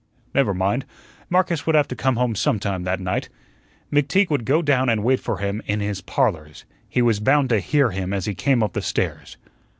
Never mind, Marcus would have to come home some time that night. McTeague would go down and wait for him in his "Parlors." He was bound to hear him as he came up the stairs.